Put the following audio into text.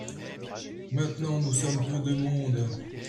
Maintenant nous somme peu de monde.